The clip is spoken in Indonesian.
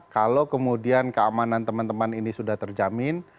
kalau kemudian keamanan teman teman ini sudah terjamin